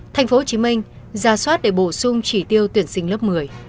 thành phố hồ chí minh ra soát để bổ sung chỉ tiêu tuyển sinh lớp một mươi